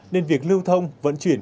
nên việc lưu thông vận chuyển